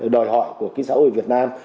đòi hỏi của cái xã hội việt nam